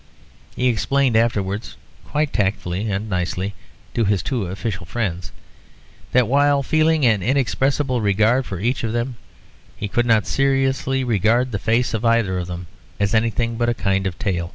He explained afterwards, quite tactfully and nicely, to his two official friends, that (while feeling an inexpressible regard for each of them) he could not seriously regard the face of either of them as anything but a kind of tail.